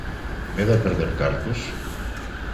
Medo a perder cartos?